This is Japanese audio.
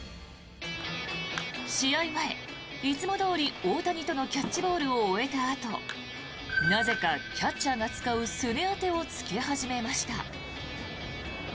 試合前、いつもどおり大谷とのキャッチボールを終えたあとなぜかキャッチャーが使うすね当てをつけ始めました。